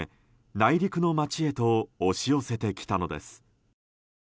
内陸の街へと押し寄せてきたのです。